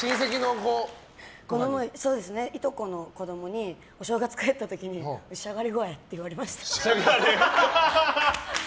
この前、いとこの子供にお正月、帰った時におい、しゃがれ声って言われました。